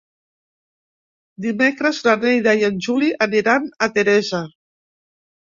Dimecres na Neida i en Juli aniran a Teresa.